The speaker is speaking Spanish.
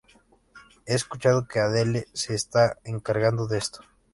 He escuchado que Adele se está encargando de esto".